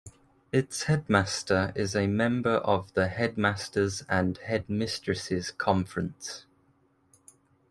Its headmaster is a member of the Headmasters' and Headmistresses' Conference.